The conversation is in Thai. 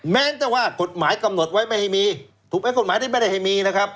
แม้แต่ว่ากฎหมายกำหนดไว้ไม่ให้มีถูกไหมกฎหมายนี้ไม่ได้ให้มีนะครับ